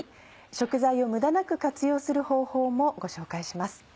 食材を無駄なく活用する方法もご紹介します。